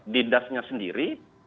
di dasnya sendiri